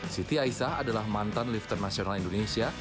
siti aisah adalah mantan lifter nasional indonesia